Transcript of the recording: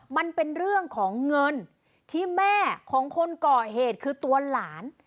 มันเป็นเรื่องของเงินที่แม่ของคนก่อเหตุคือตัวหลาน